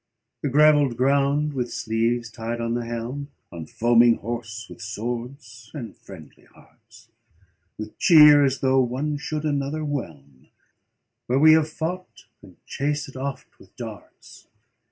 The gravelled ground, with sleeves tied on the helm, On foaming horse with swords and friendly hearts; With cheer as though one should another whelm, Where we have fought, and chased oft with darts.